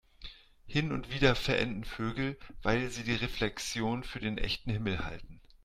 Hin und wieder verenden Vögel, weil sie die Reflexion für den echten Himmel halten.